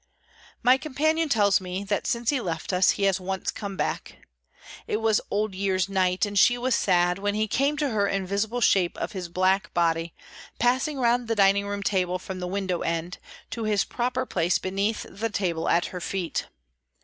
My companion tells me that, since he left us, he has once come back. It was Old Year's Night, and she was sad, when he came to her in visible shape of his black body, passing round the dining table from the window end, to his proper place beneath the table, at her feet.